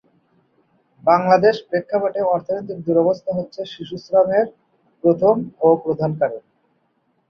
বাংলাদেশ প্রেক্ষাপটে অর্থনৈতিক দুরবস্থা হচ্ছে শিশুশ্রমের প্রথম ও প্রধান কারণ।